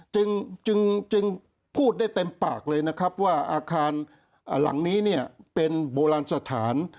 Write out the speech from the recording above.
จึงจึงพูดได้เต็มปากเลยนะครับว่าอาคารหลังนี้เนี่ยเป็นโบราณสถาน